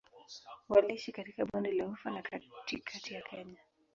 Waliishi katika Bonde la Ufa na katikati ya Kenya.